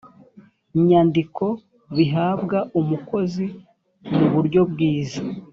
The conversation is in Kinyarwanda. nyandiko bihabwa umukozi mu buryo bwiza